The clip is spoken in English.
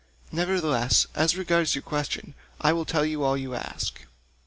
Nevertheless, as regards your question I will tell you all you ask.